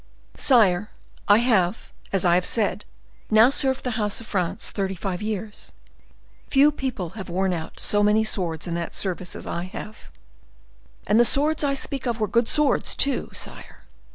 "Sire, I have, as I have said, now served the house of France thirty five years; few people have worn out so many swords in that service as I have, and the swords I speak of were good swords, too, sire.